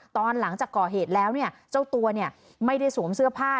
ตอนหลังจากก่อเหตุแล้วเจ้าตัวไม่ได้สวมเสื้อผ้า